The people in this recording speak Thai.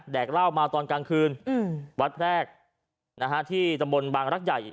เหล้ามาตอนกลางคืนวัดแพรกนะฮะที่ตำบลบางรักใหญ่